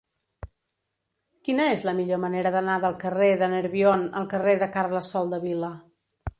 Quina és la millor manera d'anar del carrer del Nerbion al carrer de Carles Soldevila?